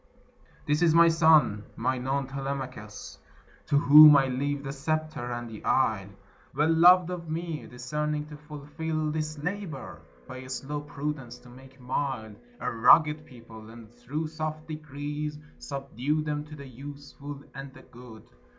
This is my son, mine own Telemachus, To whom I leave the sceptre and the isle, Well loved of me, discerning to fulfil This labour, by slow prudence to make mild A rugged people, and thro' soft degrees Subdue them to the useful and the good.